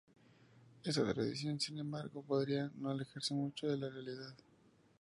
Esta tradición, sin embargo, podría no alejarse mucho de la realidad.